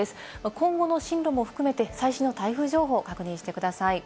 今後の進路も含めて最新の台風情報を確認してください。